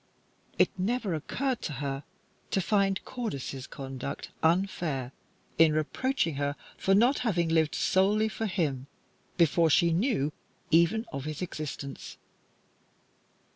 It never occurred to her to find Cordis's conduct unfair in reproaching her for not having lived solely for him, before she knew even of his existence.